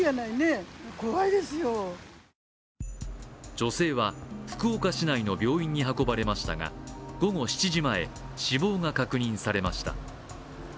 女性は福岡市内の病院に運ばれましたが、午後７時前、死亡が確認されました。